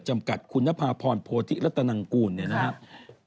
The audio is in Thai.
จำกัดคุณภาพพรโพธิและตนังกูลนะครับ